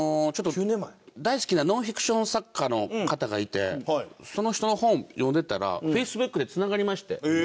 大好きなノンフィクション作家の方がいてその人の本読んでたらＦａｃｅｂｏｏｋでつながりまして。